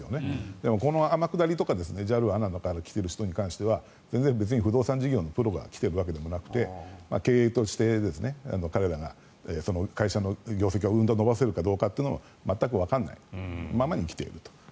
でも、この天下りとかＪＡＬ、ＡＮＡから来てる人に関しては全然別に不動産事業のプロが来ているわけでもなくて経営として彼らが会社の業績をうんと伸ばせるかどうか全くわからないままに来ていると。